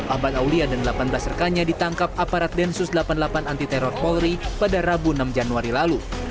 ahmad aulia dan delapan belas rekannya ditangkap aparat densus delapan puluh delapan anti teror polri pada rabu enam januari lalu